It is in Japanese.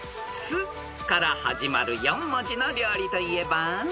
［「ス」から始まる４文字の料理といえば？］